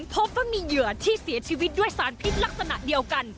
พบว่ามีเหยื่อที่เสียชีวิตด้วยสารพิษลักษณะเดียวกัน